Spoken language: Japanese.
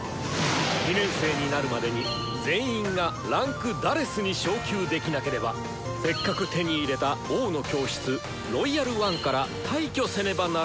２年生になるまでに全員が位階「４」に昇級できなければせっかく手に入れた「王の教室」「ロイヤル・ワン」から退去せねばならぬのだ！